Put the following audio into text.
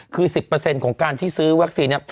คือ๑๐ของการที่ซื้อวัคซีน